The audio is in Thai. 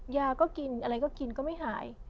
ยาก็กินอะไรก็กินก็ไม่หาย